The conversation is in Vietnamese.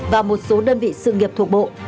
và một số đơn vị sự nghiệp thuộc bộ